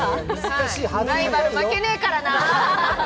ライバル、負けねぇからな！